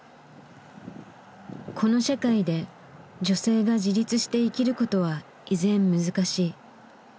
この社会で女性が自立して生きることは依然難しい。